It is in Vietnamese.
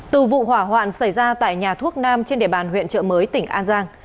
từ vụ hỏa hoạn xảy ra tại nhà thuốc nam trên đề bàn huyện chợ mới tỉnh an giang